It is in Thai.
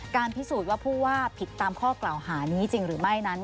พิสูจน์ว่าผู้ว่าผิดตามข้อกล่าวหานี้จริงหรือไม่นั้น